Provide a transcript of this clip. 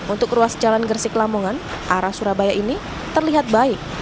untuk ruas jalan gersik lamongan arah surabaya ini terlihat baik